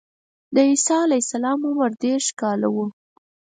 د عیسی علیه السلام عمر دېرش کاله و.